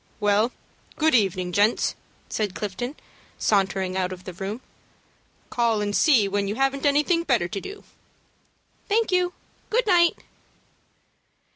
"Well, good evening, gents," said Clifton, sauntering out of the room. "Call and see me when you haven't anything better to do." "Thank you. Good night."